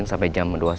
saya pake pre wed